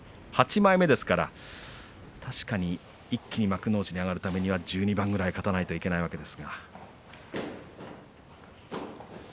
８枚目ですから確かに一気に幕内に上がるためには１２番ぐらい勝たなければいけないわけですが。